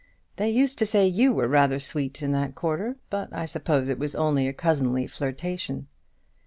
They used to say you were rather sweet in that quarter; but I suppose it was only a cousinly flirtation."